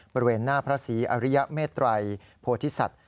บริเวณหน้าพระศรีอริยเมตรัยโพธิสัตว